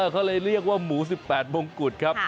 เขาเลยเรียกว่าหมู๑๘มงกุฎครับ